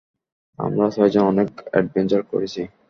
আমরা ছয়জন অনেক অ্যাডভেঞ্চার করেছি।